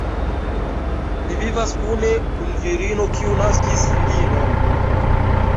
Li vivas kune kun virino, kiu naskis filinon.